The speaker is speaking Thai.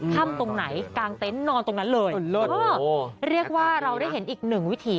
ตรงไหนกลางเต็นต์นอนตรงนั้นเลยเรียกว่าเราได้เห็นอีกหนึ่งวิถี